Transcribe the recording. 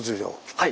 はい。